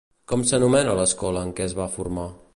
Com s'anomena l'escola en què es va formar?